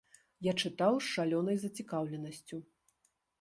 Я чытаў з шалёнай зацікаўленасцю.